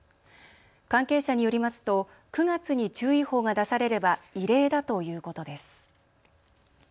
関係者によりますと９月に注意報が出されれば異例だということです。